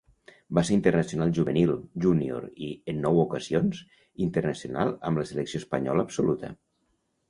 Va ser internacional juvenil, júnior i, en nou ocasions, internacional amb la Selecció espanyola absoluta.